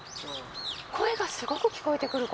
声がすごく聞こえてくる。